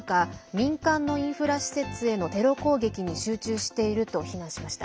民間のインフラ施設へのテロ攻撃に集中していると非難しました。